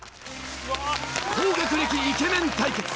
高学歴イケメン対決！